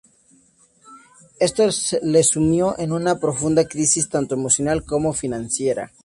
Esto le sumió en una profunda crisis, tanto emocional como financiera.